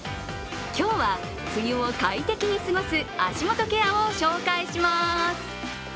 今日は梅雨を快適に過ごす足元ケアを紹介します。